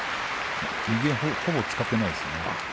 右を、ほぼ使っていないですね。